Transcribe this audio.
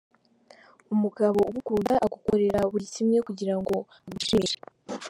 Umugabo ugukunda agukorera buri kimwe kugira ngo agushimishe.